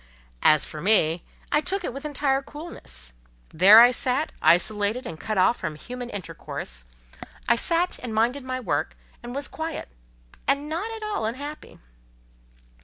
As for me, I took it with entire coolness. There I sat, isolated and cut off from human intercourse; I sat and minded my work, and was quiet, and not at all unhappy.